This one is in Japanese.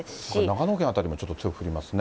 長野県辺りもちょっと強く降りますね。